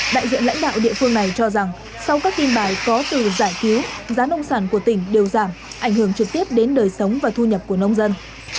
đại diện lãnh đạo địa phương này cho rằng sau các tin bài có từ giải cứu giá nông sản của tỉnh đều giảm ảnh hưởng trực tiếp đến đời sống và thu nhập của nông dân